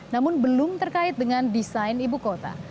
namun belum terkait dengan desain ibu kota